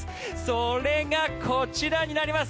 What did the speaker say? それがこちらになります。